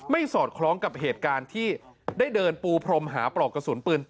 สอดคล้องกับเหตุการณ์ที่ได้เดินปูพรมหาปลอกกระสุนปืน